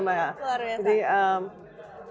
menurut saya menarik